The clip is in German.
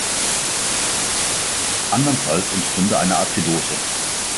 Andernfalls entstünde eine Azidose.